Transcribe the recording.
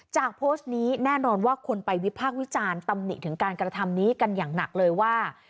โพสต์นี้แน่นอนว่าคนไปวิพากษ์วิจารณ์ตำหนิถึงการกระทำนี้กันอย่างหนักเลยว่า